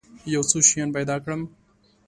یو څو شیان پیدا کړم.